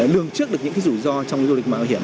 lường trước được những cái rủi ro trong cái du lịch mạo hiểm